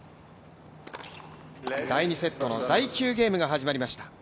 第２セットの第９ゲームが始まりました。